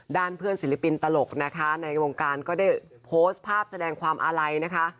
ด้านเพื่อนศิลปินตลกนะคะในวงการก็ได้โพสต์ภาพแสดงความอาลัยนะคะ